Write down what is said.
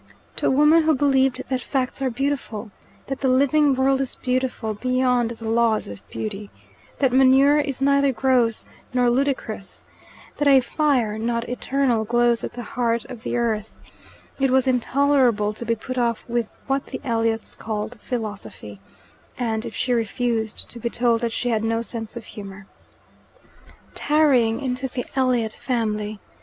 To a woman who believed that facts are beautiful, that the living world is beautiful beyond the laws of beauty, that manure is neither gross nor ludicrous, that a fire, not eternal, glows at the heart of the earth, it was intolerable to be put off with what the Elliots called "philosophy," and, if she refused, to be told that she had no sense of humour. "Tarrying into the Elliot family."